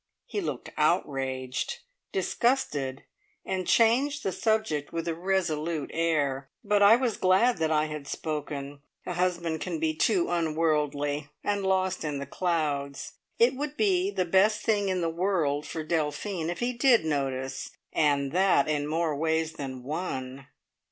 He looked outraged, disgusted, and changed the subject with a resolute air, but I was glad that I had spoken. A husband can be too unworldly, and lost in the clouds. It would be the best thing in the world for Delphine if he did notice, and that in more ways than one!